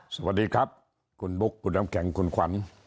สวัสดีครับคุณบุ๊คคุณน้ำแข็งคุณขวัญ